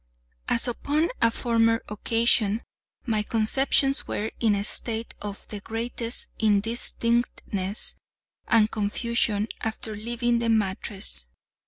As upon a former occasion my conceptions were in a state of the greatest indistinctness and confusion after leaving the mattress.